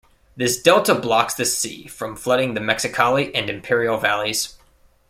This delta blocks the sea from flooding the Mexicali and Imperial Valleys.